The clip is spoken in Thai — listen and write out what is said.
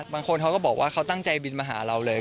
บางคนเขาก็บอกว่าเขาตั้งใจบินมาหาเราเลย